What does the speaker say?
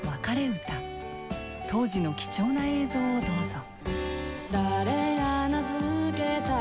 当時の貴重な映像をどうぞ。